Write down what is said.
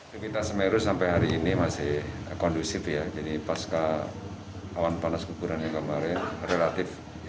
aktivitas semeru sampai hari ini masih kondusif ya jadi pasca awan panas guguran yang kemarin relatif